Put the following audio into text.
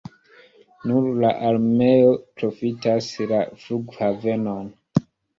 Nur la armeo profitas la flughavenon.